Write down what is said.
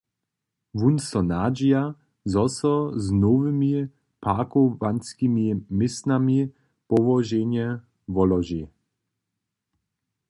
Wón so nadźija, zo so z nowymi parkowanskimi městnami połoženje wolóži.